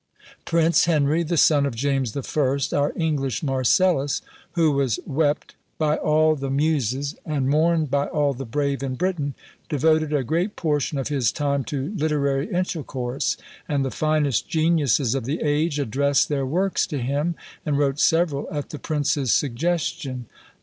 Prince Henry, the son of James I., our English Marcellus, who was wept by all the Muses, and mourned by all the brave in Britain, devoted a great portion of his time to literary intercourse; and the finest geniuses of the age addressed their works to him, and wrote several at the prince's suggestion.